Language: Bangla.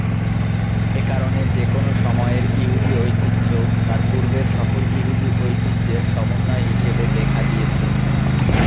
এ কারণে যেকোন সময়ের ইহুদি ঐতিহ্য তার পূর্বের সকল ইহুদি ঐতিহ্যের সমন্বয় হিসেবে দেখা দিয়েছে।